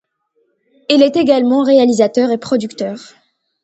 Il est également réalisateur et producteur.